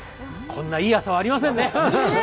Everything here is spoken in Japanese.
こんないい朝はありませんね。